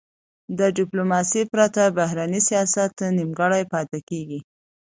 د ډیپلوماسی پرته، بهرنی سیاست نیمګړی پاته کېږي.